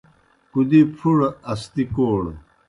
کُدی پُھڑہ، اسدی کوڑہ